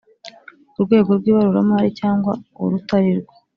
Urwego rw’ibaruramari cyangwa urutarirwo